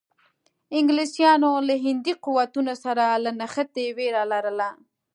انګلیسانو له هندي قوتونو سره له نښتې وېره لرله.